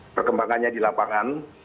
perkembangannya di lapangan